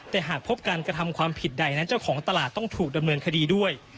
แต่หากพบการกระทำความผิดใดนั้นเจ้าของตลาดต้องถูกดำเนินคดีด้วย